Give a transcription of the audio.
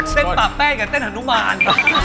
เต้นป่าแป้งกับเต้นฮนุมาร